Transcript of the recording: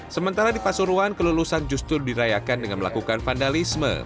sementara di pasuruan kelulusan justru dirayakan dengan melakukan vandalisme